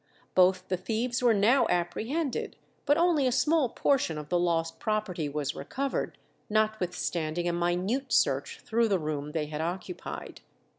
Both the thieves were now apprehended, but only a small portion of the lost property was recovered, notwithstanding a minute search through the room they had occupied.